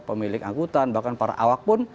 pemilik angkutan bahkan para awak pun